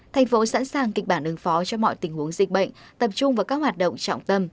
thành phố sẵn sàng kịch bản ứng phó cho mọi tình huống dịch bệnh tập trung vào các hoạt động trọng tâm